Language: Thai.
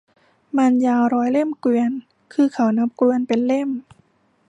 มารยาร้อยเล่มเกวียน คือเขานับเกวียนเป็นเล่ม